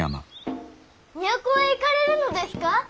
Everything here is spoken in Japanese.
都へ行かれるのですか？